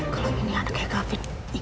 kalau ini anaknya gavin